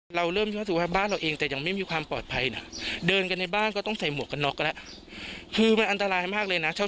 เพราะว่าเราทำตามขั้นตอนหมดแล้ว